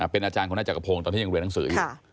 เป็นอาจารย์ของนายจักรพงศ์ตอนที่ยังเรียนหนังสืออยู่